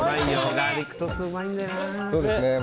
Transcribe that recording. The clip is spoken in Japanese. ガーリックトーストうまいんだよな。